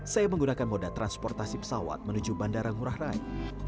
saya menggunakan moda transportasi pesawat menuju bandara ngurah rai